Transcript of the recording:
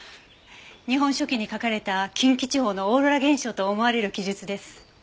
『日本書紀』に書かれた近畿地方のオーロラ現象と思われる記述です。